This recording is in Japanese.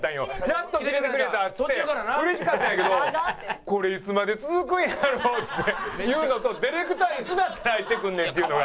やっとキレてくれたってうれしかったんやけどこれいつまで続くんやろ？っていうのとディレクターいつになったら入ってくんねんっていうのが。